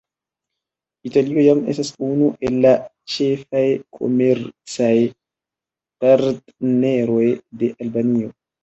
Italio jam estas unu el la ĉefaj komercaj partneroj de Albanio.